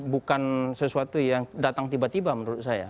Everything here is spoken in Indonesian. bukan sesuatu yang datang tiba tiba menurut saya